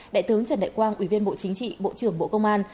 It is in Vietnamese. đại tướng trần đại quang ủy viên bộ chính trị bộ trưởng bộ công an